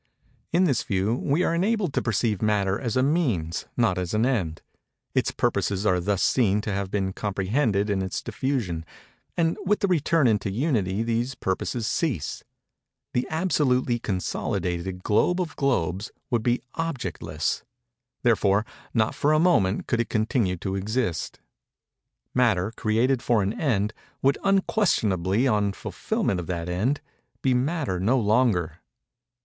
In this view, we are enabled to perceive Matter as a Means—not as an End. Its purposes are thus seen to have been comprehended in its diffusion; and with the return into Unity these purposes cease. The absolutely consolidated globe of globes would be objectless:—therefore not for a moment could it continue to exist. Matter, created for an end, would unquestionably, on fulfilment of that end, be Matter no longer.